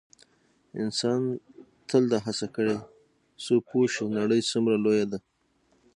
انسان تل دا هڅه کړې څو پوه شي نړۍ څومره لویه ده.